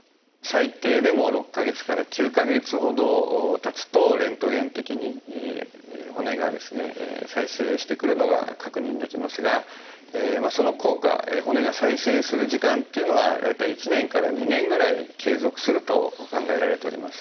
最低でも６か月から９か月ほどたつとレントゲン的に骨がですね再生してくるのが確認できますがその効果骨が再生する時間っていうのは大体１年から２年ぐらい継続すると考えられております。